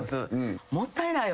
もったいないわ。